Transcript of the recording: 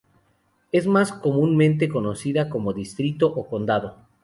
Es más comúnmente conocida como "distrito" o "condado".